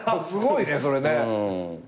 すごいねそれね。